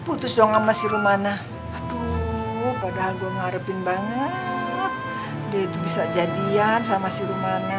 putus dong sama si romana aduh padahal gue ngarepin banget dia itu bisa jadian sama si romana